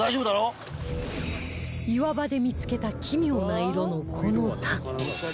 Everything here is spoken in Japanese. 岩場で見付けた奇妙な色のこのタコ